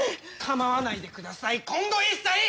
構わないでください今後一切！